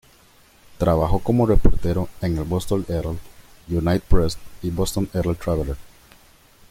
Trabajó como reportero en el "Boston Herald", "United Press" y "Boston Herald Traveler".